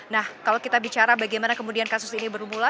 nah kalau kita bicara bagaimana kemudian kasus ini bermula